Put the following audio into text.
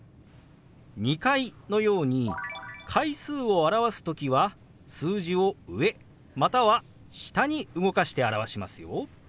「２階」のように階数を表す時は数字を上または下に動かして表しますよ。